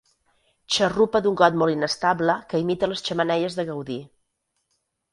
Xarrupa d'un got molt inestable que imita les xemeneies de Gaudí.